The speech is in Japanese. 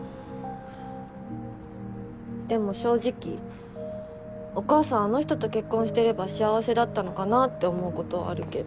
でも正直お母さんあの人と結婚してれば幸せだったのかなって思うことはあるけど。